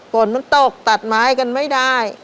ฝนมันตกตัดไม้กันไม่ได้